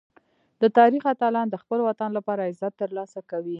د تاریخ اتلان د خپل وطن لپاره عزت ترلاسه کوي.